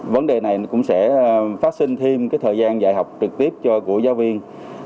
vấn đề này cũng sẽ phát sinh thêm thời gian dạy học trực tiếp của giáo viên